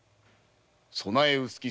備え薄き